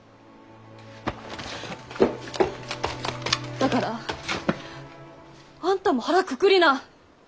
だからあんたも腹くくりな！